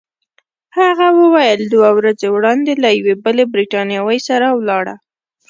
هغه وویل: دوه ورځې وړاندي له یوې بلې بریتانوۍ سره ولاړه.